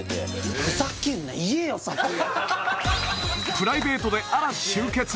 プライベートで嵐集結？